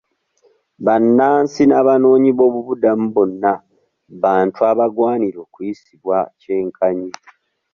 Bannansi n'abanoonyiboobubudamu bonna bantu abagwanira okuyisibwa kyenkanyi.